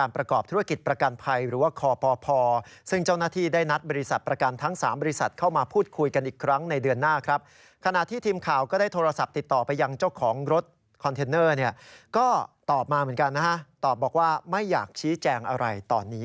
โปรดติดตามตอนต่อไป